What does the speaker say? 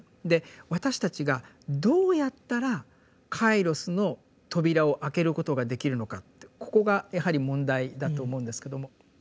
で私たちがどうやったら「カイロス」の扉を開けることができるのかってここがやはり問題だと思うんですけども。